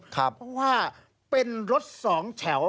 เพราะว่าเป็นรถสองแถว